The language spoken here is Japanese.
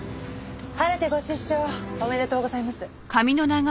晴れてご出所おめでとうございます。